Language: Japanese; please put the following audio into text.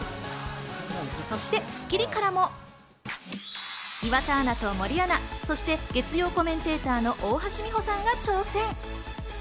そして『スッキリ』からも、岩田アナと森アナ、そして月曜コメンテーターの大橋未歩さんが挑戦。